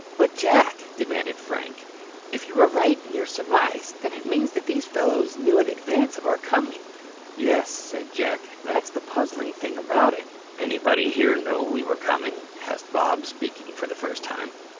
"But, Jack," demanded Frank, "if you are right in your surmise, then it means that these fellows knew in advance of our coming." "Yes," said Jack, "that's the puzzling thing about it." "Anybody here know we were coming?" asked Bob, speaking for the first time.